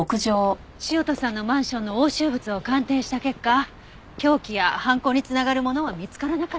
潮田さんのマンションの押収物を鑑定した結果凶器や犯行に繋がるものは見つからなかった。